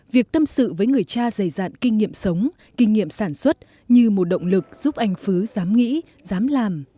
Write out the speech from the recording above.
việc tâm sự với người cha dày dạn kinh nghiệm sống kinh nghiệm sản xuất như một động lực giúp anh phứ dám nghĩ dám làm